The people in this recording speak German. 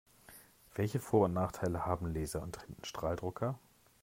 Welche Vor- und Nachteile haben Laser- und Tintenstrahldrucker?